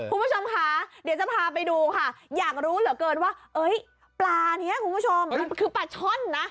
คุณผู้ชมค่ะเดี๋ยวจะพาไปดูค่ะอยากรู้เหลือเกินว่าปลานี้คุณผู้ชมมันคือปลาช่อนนะ